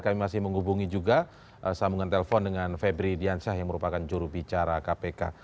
kami masih menghubungi juga sambungan telepon dengan febri diansyah yang merupakan jurubicara kpk